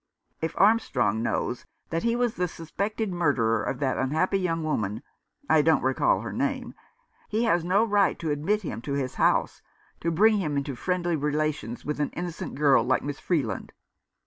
If Armstrong knows that he was the suspected murderer of that unhappy young woman — I don't recall her name — he has no right to admit him to his house, to bring him into friendly relations with an innocent girl like Miss Freeland."